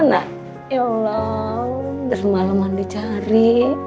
ya allah udah semalaman dicari